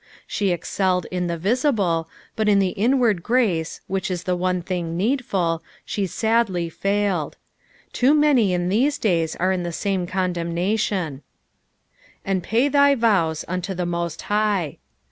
She excelled in the visible, but in the inward grace, which ia the one thing needful, she sadly failed. Too many in these days are in the same condemnation, "And pay thy vowt unto the mo»t High."